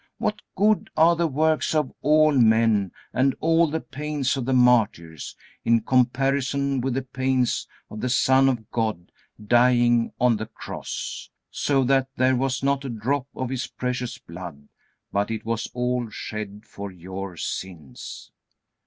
What good are the works of all men, and all the pains of the martyrs, in comparison with the pains of the Son of God dying on the Cross, so that there was not a drop of His precious blood, but it was all shed for your sins.